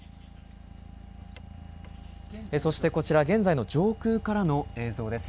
そして、こちら現在の上空からの映像です。